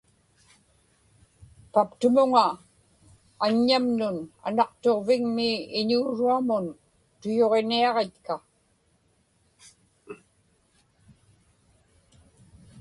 paptumuŋa aññamnun Anaqtuġvigmi iñuuruamun tuyuġiniaġitka